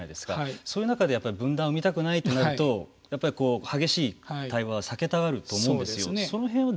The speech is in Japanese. そういう中で分断を生みたくないとなると激しい対話は避けたがると思うんですよ。